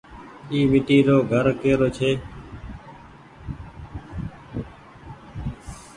اي ميٽي رو گهر ڪي رو ڇي۔